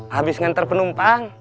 habis ngantar penumpang